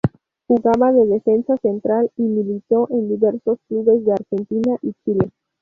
Jugaba de defensa central y militó en diversos clubes de Argentina y Chile.